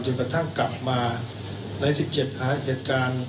จนกระทั่งกลับมาใน๑๗ลำดับเหตุการณ์